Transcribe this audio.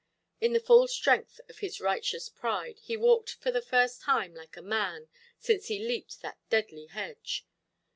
In the full strength of his righteous pride, he walked for the first time like a man, since he leaped that deadly hedge.